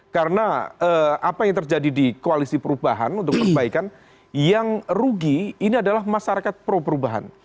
karena apa yang terjadi di koalisi perubahan untuk perbaikan yang rugi ini adalah masyarakat pro perubahan